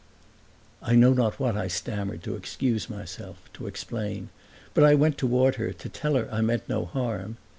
I know not what I stammered, to excuse myself, to explain; but I went toward her, to tell her I meant no harm.